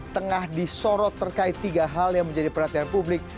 tengah disorot terkait tiga hal yang menjadi perhatian publik